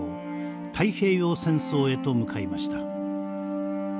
太平洋戦争へと向かいました。